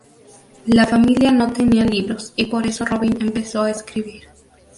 La familia no tenía libros y por eso Robin empezó a escribir.